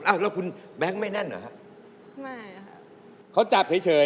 แล้วคุณแบงค์ไม่แน่นเหรอฮะ